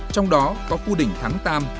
trong đó có khu đỉnh thắng tam